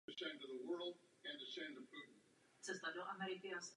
Nad orlicí je vycházející slunce symbolizující úsvit nového státu.